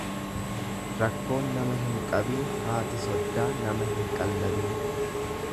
Rakkoon nama hin qabiin haati soddaa nama hin qallabiin.